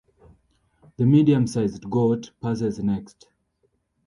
The medium-sized goat passes next.